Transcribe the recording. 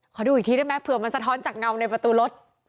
ดูอีกทีได้ไหมเผื่อมันสะท้อนจากเงาในประตูรถ